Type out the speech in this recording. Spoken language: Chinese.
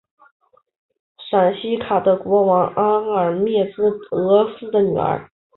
瑙西卡的国王阿尔喀诺俄斯的女儿。